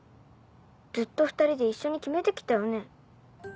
ずっと２人で一緒に決めてきたよね？